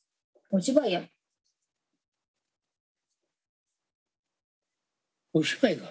お芝居か？